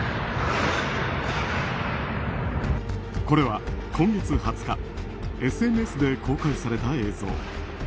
これは今月２０日ＳＮＳで公開された映像。